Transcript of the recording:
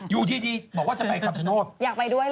อยู่ที่บอกทำไมคำชนโทษ